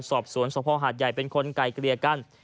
สอบสวนสภหาดใหญ่เป็นคนไกลเกลี่ยกัน